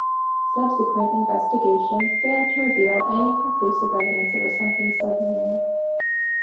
Subsequent investigation failed to reveal any conclusive evidence of a sunken submarine.